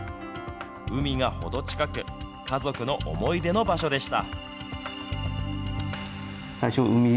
海が程近く、家族の思い出の場所でした。